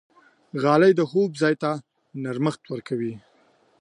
غالۍ د خوب ځای ته نرمښت ورکوي.